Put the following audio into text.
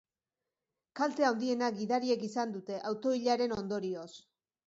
Kalte handiena gidariek izan dute, auto-ilaren ondorioz.